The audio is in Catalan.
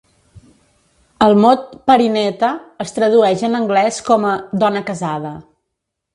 El mot "Parineeta" es tradueix en anglès com a "dona casada".